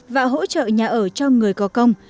và hỗ trợ nhà ở cho người có công